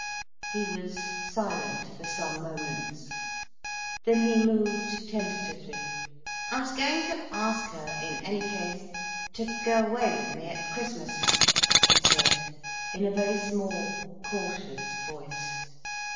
He was silent for some moments. Then he moved tentatively. "I was going to ask her, in any case, to go away with me at Christmas," he said, in a very small, cautious voice.